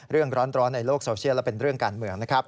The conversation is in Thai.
เรื่องร้อนในโลกโซเชียลและเป็นเรื่องการเมืองนะครับ